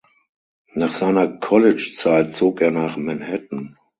Nach seiner Collegezeit zog er nach Manhattan.